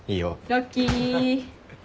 ラッキー。